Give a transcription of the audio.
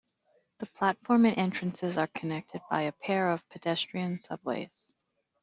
The platforms and entrances are connected by a pair of pedestrian subways.